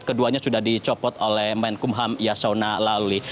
keduanya sudah dicopot oleh menteri hukum dan ham yasona lawli